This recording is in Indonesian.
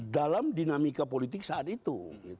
dalam dinamika politik saat itu